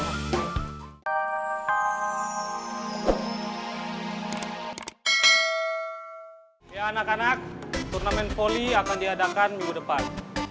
ya anak anak turnamen volley akan diadakan minggu depan